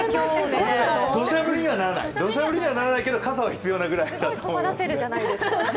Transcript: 確かにどしゃ降りにはならないけど、傘は必要なくらいだと思います。